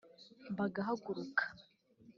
bagahaguruka